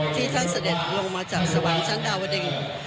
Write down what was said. ที่ท่านเสด็จลงมาจากสวรรค์ชั้นดาวดึง